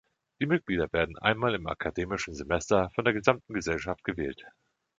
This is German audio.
Die Mitglieder werden einmal im akademischen Semester von der gesamten Gesellschaft gewählt.